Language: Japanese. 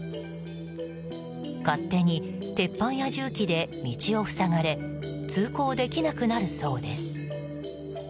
勝手に鉄板や重機で道を塞がれ通行できなくなるそうです。